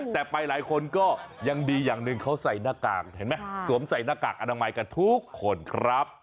แต่ไปหลายคนก็ยังดีอย่างหนึ่งเขาใส่หน้ากากเห็นไหมสวมใส่หน้ากากอนามัยกันทุกคนครับ